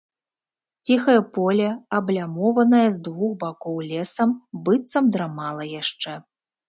Ціхае поле, аблямованае з двух бакоў лесам, быццам драмала яшчэ.